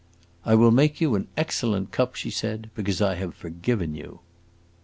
"I will make you an excellent cup," she said, "because I have forgiven you."